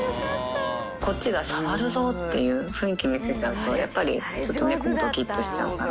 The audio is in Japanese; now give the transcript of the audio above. こっちが触るぞっていう雰囲気見せちゃうと、やっぱりちょっと猫もどきっとしちゃうから。